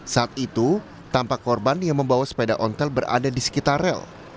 saat itu tampak korban yang membawa sepeda ontel berada di sekitar rel